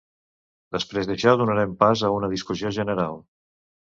Després d'això, donarem pas a una discussió general.